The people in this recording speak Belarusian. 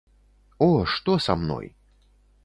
О, што са мной?